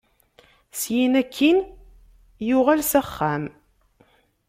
Syin akkin, yuɣal s axxam.